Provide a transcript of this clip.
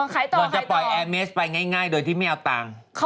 อ๋อขายต่อเราจะปล่อยแอร์เมสไปง่ายโดยที่ไม่เอาตังค์